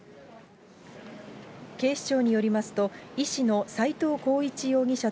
警視庁によりますと、医師の斎藤浩一